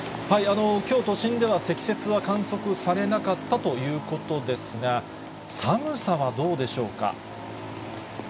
きょう、都心では積雪は観測されなかったということですが、寒さはどうでしょうか。